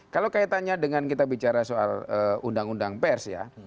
kalau kaitannya dengan kita bicara soal undang undang pers ya